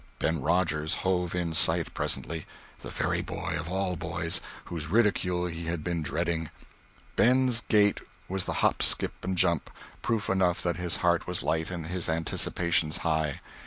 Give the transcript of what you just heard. Ben Rogers hove in sight presently—the very boy, of all boys, whose ridicule he had been dreading. Ben's gait was the hop skip and jump—proof enough that his heart was light and his anticipations high.